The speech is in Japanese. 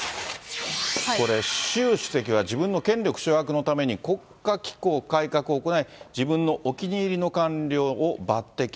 これ、習主席は自分の権力掌握のために、国家機構改革を行い、自分のお気に入りの官僚を抜てき。